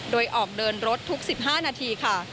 โดยออกเดินรถทุก๑๕นาทีค่ะ